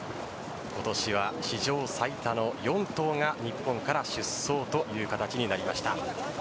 今年は史上最多の４頭が日本から出走という形になりました。